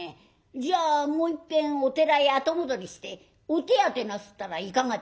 じゃあもういっぺんお寺へ後戻りしてお手当てなすったらいかがで？」。